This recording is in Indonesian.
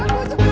dapet tuh bu